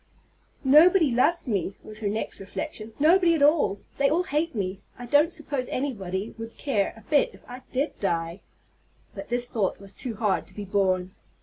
"Nobody loves me," was her next reflection, "nobody at all. They all hate me. I don't suppose anybody would care a bit if I did die." But this thought was too hard to be borne.